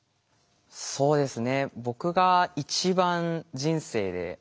そうですね。